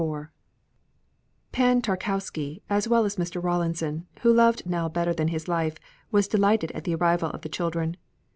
IV Pan Tarkowski, as well as Mr. Rawlinson, who loved Nell better than his life, was delighted at the arrival of the children.